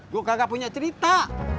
gue kagak punya cerita